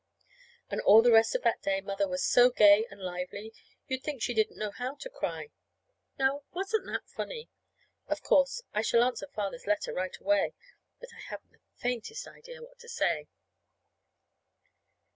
And all the rest of that day Mother was so gay and lively you'd think she didn't know how to cry. Now, wasn't that funny? Of course, I shall answer Father's letter right away, but I haven't the faintest idea what to say.